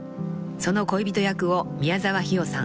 ［その恋人役を宮沢氷魚さん］